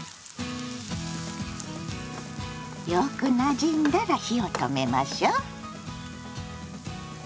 よくなじんだら火を止めましょう。